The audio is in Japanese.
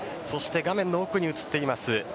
画面の奥に映っています